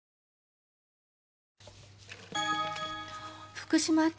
福島県